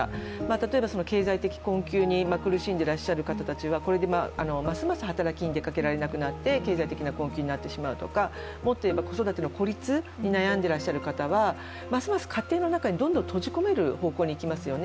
例えば経済的困窮に苦しんでいらっしゃる方たちはこれでますます働きに出かけられなくなって経済的な困窮になってしまうとかもっと言えば子育ての孤立に悩んでいらっしゃる方には、ますます家庭の中にどんどん閉じ込める方向にいきますよね。